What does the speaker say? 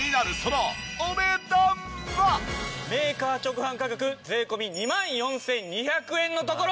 メーカー直販価格税込２万４２００円のところ！